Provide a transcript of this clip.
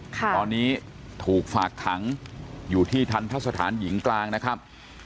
ตอนนี้ถูกฝากขังอยู่ที่ทันทะสถานหญิงกลางนะครับ